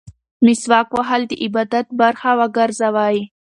مسواک وهل د عبادت برخه وګرځوئ.